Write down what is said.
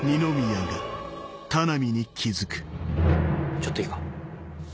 ちょっといいか？